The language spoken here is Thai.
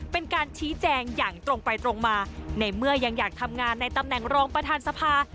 เป็นการชี้แจงอย่างตรงไปตรงมาในเมื่อยังอยากทำงานในตำแหน่งรองประธานสภา